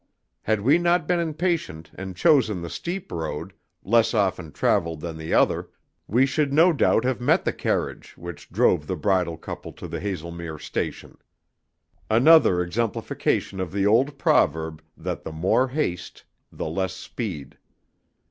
Had we not been impatient and chosen the steep road, less often travelled than the other, we should no doubt have met the carriage which drove the bridal couple to the Haslemere station. Another exemplification of the old proverb, that "the more haste, the less speed."